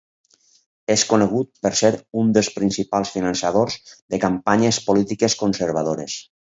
És conegut per ser un dels principals finançadors de campanyes polítiques conservadores.